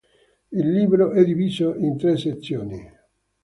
Il libro è diviso in tre sezioni.